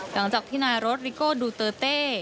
หลังจากที่นายรถริโก้ดูเตอร์เต้